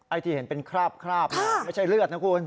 ที่เห็นเป็นคราบไม่ใช่เลือดนะคุณ